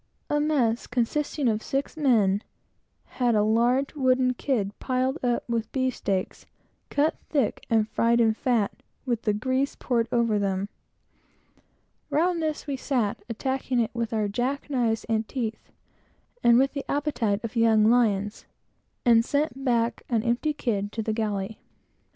A mess, consisting of six men, had a large wooden kid piled up with beefsteaks, cut thick, and fried in fat, with the grease poured over them. Round this we sat, attacking it with our jack knives and teeth, and with the appetite of young lions, and sent back an empty kid to the galley.